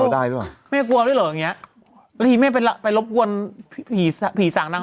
เดี๋ยวเขาจำหน้าเราได้